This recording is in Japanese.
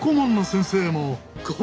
先生も？